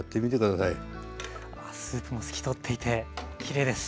スープも透き通っていてきれいです。